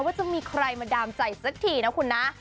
ว่าจะมีใครมาดามใจสักทีนะ